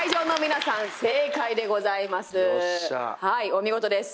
お見事です。